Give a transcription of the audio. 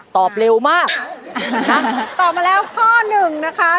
ตอบมาแล้วข้อหนึ่งนะคะ